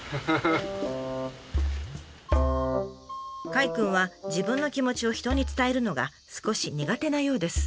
カイくんは自分の気持ちを人に伝えるのが少し苦手なようです。